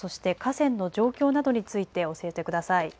河川の状況などについて教えてください。